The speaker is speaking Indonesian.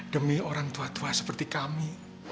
demi orang tua tua seperti kami